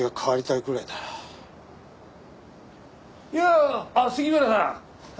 ・いやあっ杉村さん。